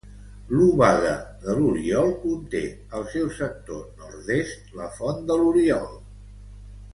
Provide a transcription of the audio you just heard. L'Obaga de l'Oriol conté, al seu sector nord-est, la Font de l'Oriol.